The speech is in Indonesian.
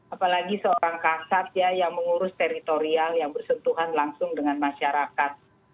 apalagi seorang kasat ya yang mengurus teritorial yang bersentuhan langsung dengan masyarakat